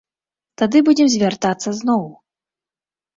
Тады будзем звяртацца зноў.